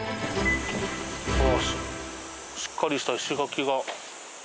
しっかりした石垣が。